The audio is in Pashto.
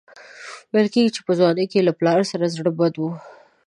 ویل کېږي چې په ځوانۍ کې یې له پلار سره زړه بد و.